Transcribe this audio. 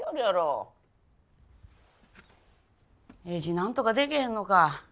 なんとかできへんのか？